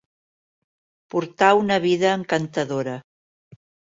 Portar una vida encantadora